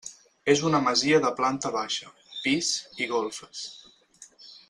És una masia de planta baixa, pis i golfes.